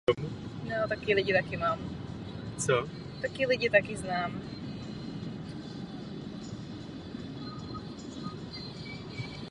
Časté jsou zde zimy bez sněhu a sněhová pokrývka zřídkakdy přetrvává po celou dobu.